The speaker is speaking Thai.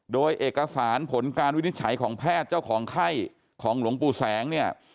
โดยเอกสารผลการวินิจฉัยของแพทย์เจ้าของไข้ของหลวงปู่แสงเนี่ย